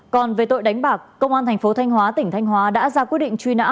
còn về tội đánh bạc công an thành phố thanh hóa tỉnh thanh hóa đã ra quyết định truy nã